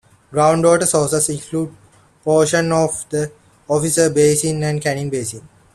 Groundwater sources include portions of the Officer Basin and Canning Basin.